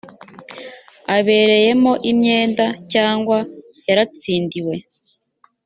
abereyemo imyenda cyangwa yaratsindiwe